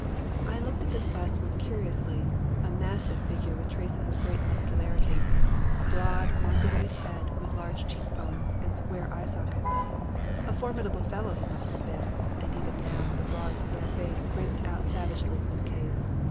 I looked at this last one curiously; a massive figure with traces of great muscularity, a broad, Mongoloid head with large cheekbones and square eye sockets. A formidable fellow he must have been; and even now, the broad, square face grinned out savagely from the case.